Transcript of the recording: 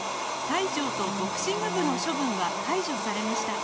西条とボクシング部の処分は解除されました